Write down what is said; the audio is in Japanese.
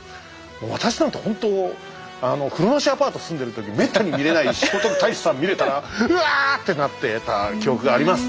私なんてほんと風呂なしアパート住んでる時めったに見れない聖徳太子さん見れたら「うわ！」ってなってた記憶があります。